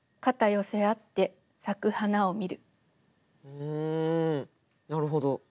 うんなるほど。